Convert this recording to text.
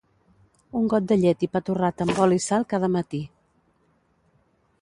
Un got de llet i pa torrat amb oli i sal cada matí.